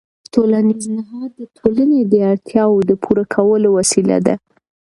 ټولنیز نهاد د ټولنې د اړتیاوو د پوره کولو وسیله ده.